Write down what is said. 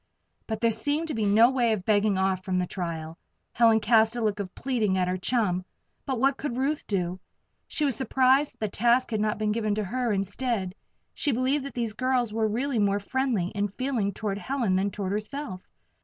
But there seemed to be no way of begging off from the trial. Helen cast a look of pleading at her chum; but what could Ruth do? She was surprised that the task had not been given to her instead; she believed that these girls were really more friendly in feeling toward Helen than toward herself.